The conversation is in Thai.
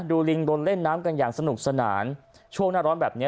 ลิงโดนเล่นน้ำกันอย่างสนุกสนานช่วงหน้าร้อนแบบนี้